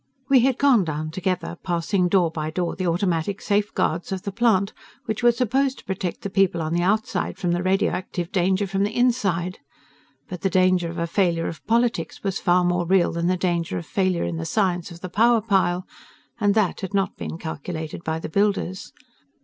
We had gone down together, passing door by door the automatic safeguards of the plant, which were supposed to protect the people on the outside from the radioactive danger from the inside but the danger of a failure of politics was far more real than the danger of failure in the science of the power pile, and that had not been calculated by the builders.